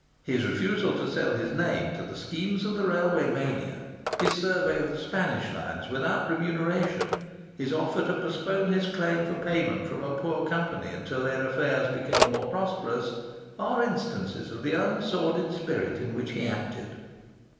His refusal to sell his name to the schemes of the railway mania—his survey of the Spanish lines without remuneration—his offer to postpone his claim for payment from a poor company until their affairs became more prosperous—are instances of the unsordid spirit in which he acted.